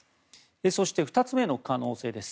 そして、２つ目の可能性です。